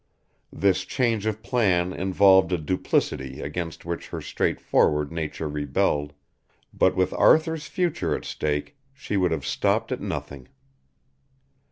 This change of plan involved a duplicity against which her straightforward nature rebelled, but with Arthur's future at stake she would have stopped at nothing.